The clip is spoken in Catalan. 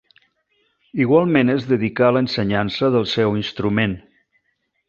Igualment es dedicà a l'ensenyança del seu instrument.